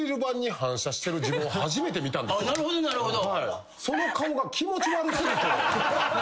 なるほどなるほど。